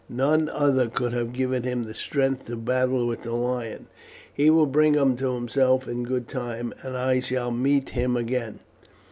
'None other could have given him the strength to battle with the lion. He will bring him to Himself in good time, and I shall meet him again.'